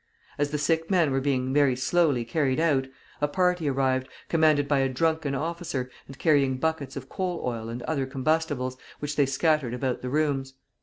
As the sick men were being very slowly carried out, a party arrived, commanded by a drunken officer, and carrying buckets of coal oil and other combustibles, which they scattered about the rooms.